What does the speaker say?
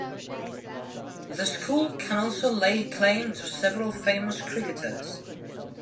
The school can also lay claim to several famous cricketers.